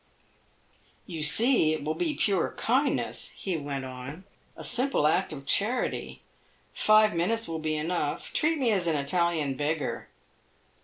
"You see it will be pure kindness," he went on, "a simple act of charity. Five minutes will be enough. Treat me as an Italian beggar."